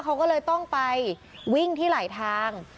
เขาก็เลยต้องไปวิ่งที่ไหลทาง